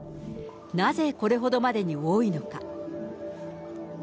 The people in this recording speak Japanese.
なぜ、これほどまでに多いのか。